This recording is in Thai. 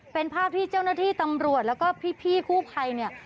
เป็นภาพที่เจ้าหน้าที่ตำรวจแล้วก็พี่กู้ภัยเนี่ย